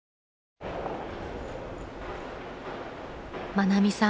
［愛美さん